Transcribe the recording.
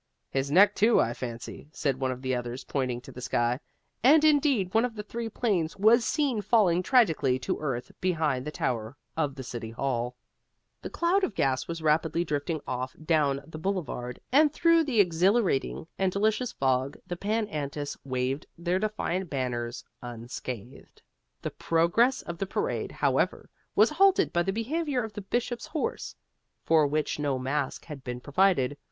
"His neck too, I fancy," said one of the others, pointing to the sky, and indeed one of the three planes was seen falling tragically to earth behind the tower of the City Hall. The cloud of gas was rapidly drifting off down the Boulevard, and through the exhilarating and delicious fog the Pan Antis waved their defiant banners unscathed. The progress of the parade, however, was halted by the behavior of the Bishop's horse, for which no mask had been provided.